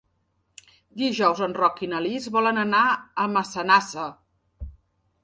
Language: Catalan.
Dijous en Roc i na Lis volen anar a Massanassa.